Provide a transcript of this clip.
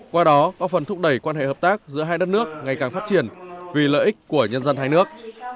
qua đó góp phần thúc đẩy quan hệ hợp tác giữa hai đất nước ngày càng phát triển vì lợi ích của nhân dân hai nước